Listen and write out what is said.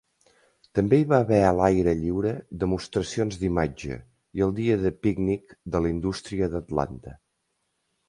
També hi va haver a l'aire lliure "demostracions d'imatge", i el dia de pícnic de la indústria d'Atlanta.